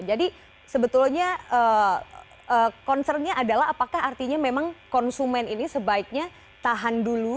jadi sebetulnya concern nya adalah apakah artinya memang konsumen ini sebaiknya tahan dulu